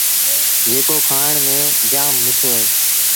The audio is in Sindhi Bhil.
جيڪو کآڻ ميݩ جآم مٺو اهي۔